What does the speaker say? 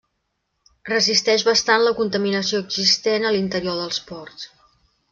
Resisteix bastant la contaminació existent a l'interior dels ports.